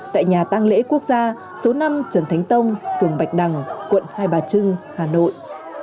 tại nhà tăng lễ quốc gia số năm trần thánh tông phường bạch đằng quận hai bà trưng hà nội